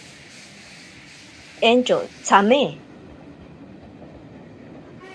Entyo tsame.